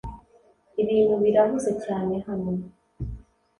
Ibintu birahuze cyane hano